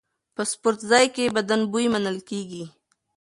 په سپورتځای کې بدن بوی منل کېږي.